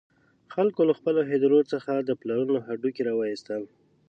خلکو له خپلو هدیرو څخه د پلرونو هډوکي را وویستل.